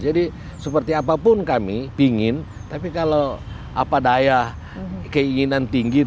jadi seperti apapun kami ingin tapi kalau apa daya keinginan tinggi